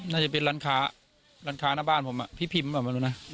น่าจะเป็นร้านค้าร้านค้าหน้าบ้านผมอ่ะพี่พิมพ์บอกมาดูนะ